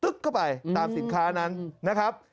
เข้าไปตามสินค้านั้นนะครับ